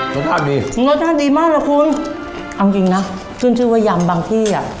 รสชาติดีรสชาติดีมากนะคุณเอาจริงนะขึ้นชื่อว่ายำบางที่อ่ะ